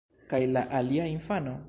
Kaj la alia infano?